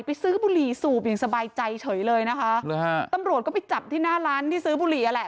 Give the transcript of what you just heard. ซื้อบุหรี่สูบอย่างสบายใจเฉยเลยนะคะหรือฮะตำรวจก็ไปจับที่หน้าร้านที่ซื้อบุหรี่อ่ะแหละ